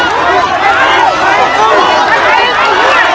สวัสดีสวัสดีสวัสดี